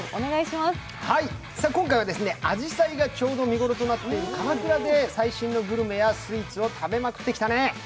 今回は、あじさいがちょうど見ごろとなっている鎌倉で最新のグルメやスイーツを食べまくってきたね。